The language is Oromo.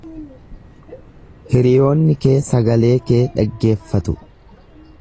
Hiriyoonni kee sagalee kee dhaggeeffatu.